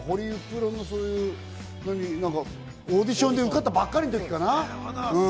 ホリプロのオーディションで受かったばかりの時かな。